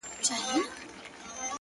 په يبلو پښو روان سو!